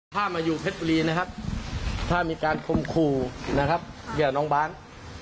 ถ้ามาอยู่เผ็ดบุรีนะครับถ้ามีการคมครูและบาร์ฟ